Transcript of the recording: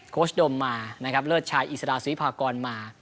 โค้ชดมมาเลือดชายอิสราสวิพากรมา